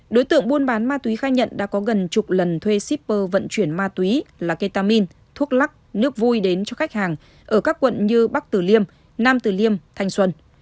đối tượng buôn bán ma túy khai nhận đã có gần chục lần thuê shipper vận chuyển ma túy là ketamin thuốc lắc nước vui đến cho khách hàng ở các quận như bắc tử liêm nam tử liêm thanh xuân